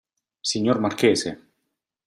Signor marchese!